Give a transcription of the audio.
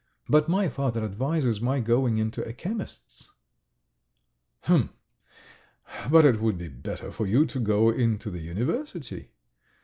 But my father advises my going into a chemist's." "H'm! ... But it would be better for you to go into the university.